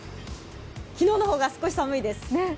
昨日の方が少し寒いです。